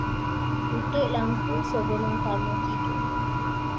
Tutup lampu sebelum kamu tidur.